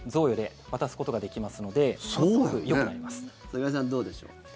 菅井さん、どうでしょう。